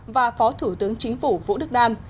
và phó thủ tướng chính phủ vũ đức nam